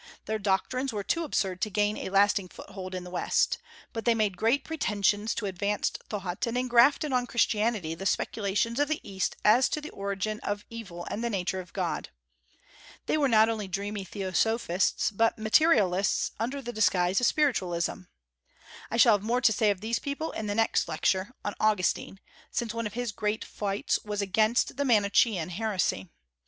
Their doctrines were too absurd to gain a lasting foothold in the West. But they made great pretensions to advanced thought, and engrafted on Christianity the speculations of the East as to the origin of evil and the nature of God. They were not only dreamy theosophists, but materialists under the disguise of spiritualism. I shall have more to say of these people in the next Lecture, on Augustine, since one of his great fights was against the Manichean heresy.